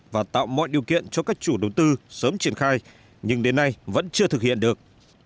và tạo mọi điều kiện cho các chủ đầu tư sớm triển khai nhưng đến nay vẫn chưa thực hiện được